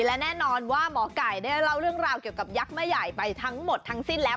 และแน่นอนว่าหมอไก่ได้เล่าเรื่องราวเกี่ยวกับยักษ์แม่ใหญ่ไปทั้งหมดทั้งสิ้นแล้ว